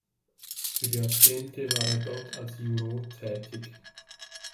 Für Jahrzehnte war er dort als Juror tätig.